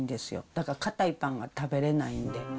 だから堅いパンが食べれないんで。